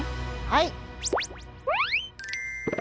はい！